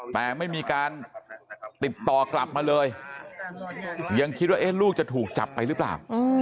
แต่ไม่มีการติดต่อกลับมาเลยยังคิดว่าลูกจะถูกจับไปหรือเปล่า